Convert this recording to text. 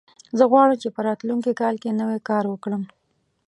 زه غواړم چې په راتلونکي کال کې نوی کار وکړم